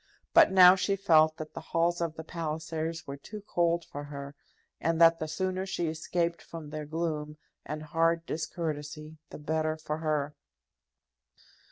But now she felt that the halls of the Pallisers were too cold for her, and that the sooner she escaped from their gloom and hard discourtesy the better for her.